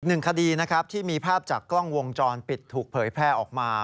หนึ่งคดีนะครับที่มีภาพจากกล้องวงจรปิดถูกเผยแพร่ออกมา